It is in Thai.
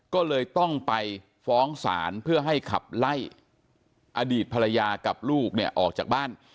ก็เลยต้องไปฟ้องศาลเพื่อให้ขับไล่อดีตภรรยากับลูกเนี่ยออกจากบ้าน